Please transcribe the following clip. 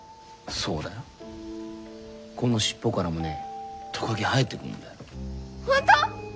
そうだよこのしっぽからもねトカゲ生えてくんだよホント！？